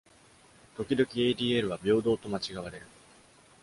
時々 ‘adl は平等と間違われる